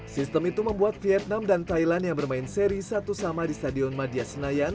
sistem itu membuat vietnam dan thailand yang bermain seri satu sama di stadion madia senayan